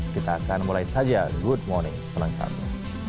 kita akan mulai saja good morning selengkapnya